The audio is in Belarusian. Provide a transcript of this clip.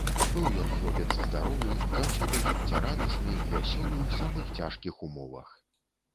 Быў ён хлопец здаровы, заўсёды жыццярадасны, вясёлы ў самых цяжкіх умовах.